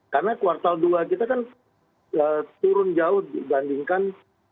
karena kuartal dua kita kan turun jauh dibandingkan